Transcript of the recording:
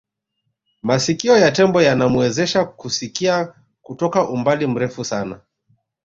masikio ya tembo yanamuwezesha kusikia kutoka umbali mrefu sana